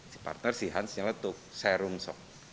si partner si hans nyala tuk serum sok